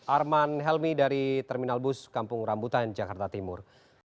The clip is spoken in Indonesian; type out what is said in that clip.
arman helmi dari terminal bus kampung rambutan jakarta timur